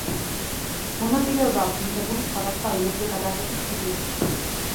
მონაწილეობა აქვს მიღებული სხვადასხვა ენებზე გადაღებულ ფილმებში.